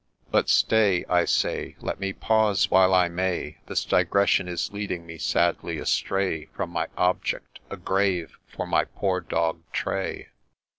— But stay !— I say ! Let me pause while I may — This digression is leading me sadly astray From my object — A grave for my poor dog Tray